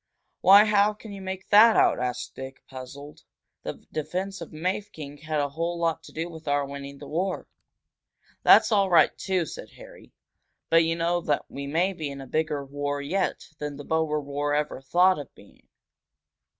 "Why, how can you make that out?" asked Dick, puzzled. "The defence of Mafeking had a whole lot to do with our winning that war!" "That's all right, too," said Harry. "But you know you may be in a bigger war yet than that Boer War ever thought of being."